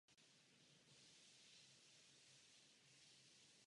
Na motivy knihy také vzniklo velké množství počítačových her.